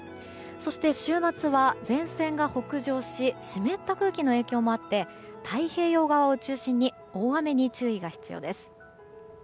そして、週末は前線が北上し湿った空気の影響もあって太平洋側を中心に大雨に注意が必要です。